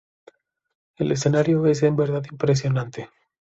El escenario es en verdad impresionante.